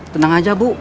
tenang saja bu